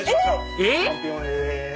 えっ⁉